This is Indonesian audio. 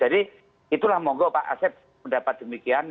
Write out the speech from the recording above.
jadi itulah monggo pak aset mendapat demikian